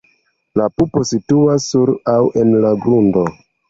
La pupo situas sur aŭ en la grundo.